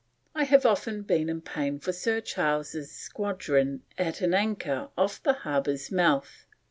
I have often been in pain for Sir Charles's squadron at an anchor off the harbour's mouth.